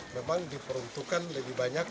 memang diperuntukkan lebih banyak